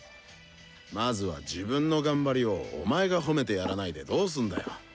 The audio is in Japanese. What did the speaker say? まずは自分の頑張りをお前が褒めてやらないでどうすんだよ？